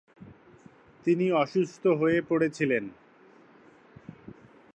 তিনি অসুস্থ হয়ে পড়ছিলেন।